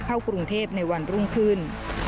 เข้ากรุงเทพในวันรุ่งขึ้น